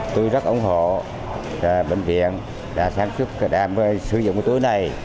tôi rất ủng hộ bệnh viện đã sản xuất đám sử dụng túi này